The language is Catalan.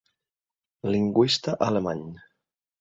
Lingüista alemany.